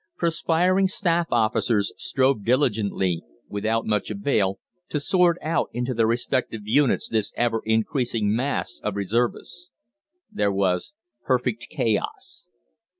Perspiring staff officers strove diligently, without much avail, to sort out into their respective units this ever increasing mass of reservists. There was perfect chaos.